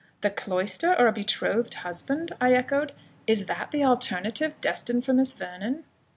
"The cloister or a betrothed husband?" I echoed "Is that the alternative destined for Miss Vernon?"